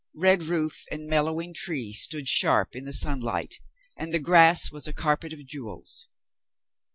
Red roof and mellowing tree stood sharp in the sunlight and the grass was a carpet of jewels.